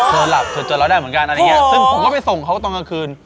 เธอหลับเธอเจอเราได้เหมือนกันซึ่งผมก็ไปส่งเขาตอนกลางคืน